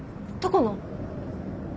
どこの？